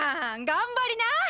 頑張りな！